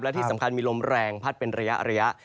และที่สำคัญมีลมแรงพัดเป็นระยะ